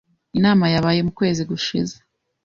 Inama yabaye mu kwezi gushize.